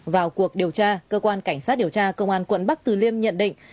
vào cuộc điều tra cơ quan cảnh sát điều tra công an quận bắc từ liêm nhận định